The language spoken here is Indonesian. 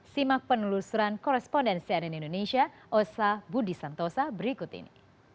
simak penelusuran korespondensi ann indonesia osa budi santosa berikut ini